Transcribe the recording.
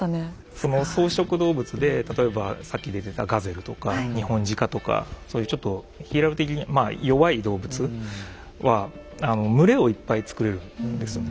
その草食動物で例えばさっき出てたガゼルとかニホンジカとかそういうちょっとヒエラルキー的にまあ弱い動物は群れをいっぱい作れるんですよね。